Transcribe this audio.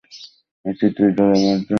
এটিই দুই দলের মধ্যে প্রথম সেঞ্চুরি ছিল।